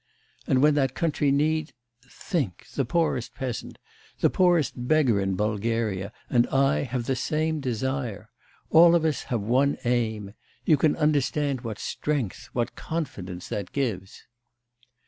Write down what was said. And when that country needs. ... Think; the poorest peasant, the poorest beggar in Bulgaria, and I have the same desire. All of us have one aim. You can understand what strength, what confidence that gives!